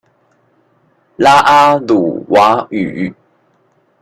拉阿魯哇語